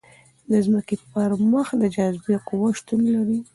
د ځمکې پر مخ د جاذبې قوه شتون لري.